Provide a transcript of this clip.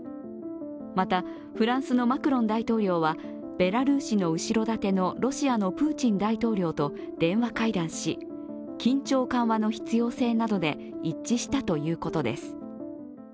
また、フランスのマクロン大統領はベラルーシの後ろ盾のロシアのプーチン大統領と電話会談し、緊張緩和の必要性などで一致したということです。